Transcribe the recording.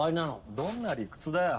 どんな理屈だよ。